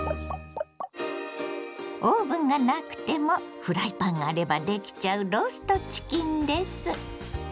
オーブンがなくてもフライパンがあればできちゃうローストチキンです。